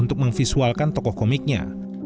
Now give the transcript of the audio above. untuk memvisualkan tokoh komiknya